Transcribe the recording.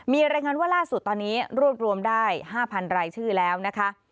มีรายงานว่าล่าสุดตอนนี้รวบรวมได้๕๐๐๐รายชื่อแล้วนะคะ